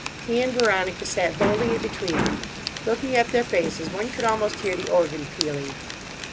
He and Veronica sat holding it between them. Looking at their faces one could almost hear the organ pealing.